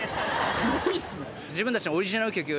すごいっすね。